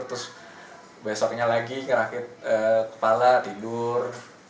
terus besoknya lagi ngerakit kepala tidur